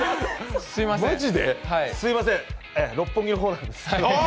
すみません、六本木の方なんです。